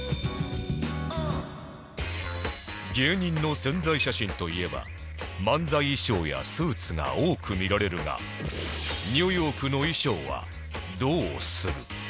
芸人の宣材写真といえば漫才衣装やスーツが多く見られるがニューヨークの衣装はどうする？